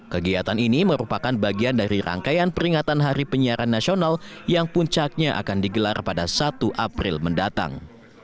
kegiatan ini merupakan bagian dari rangkaian peringatan hari penyiaran nasional yang puncaknya akan digelar pada satu april mendatang